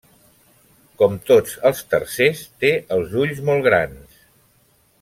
Com tots els tarsers té els ulls molt grans.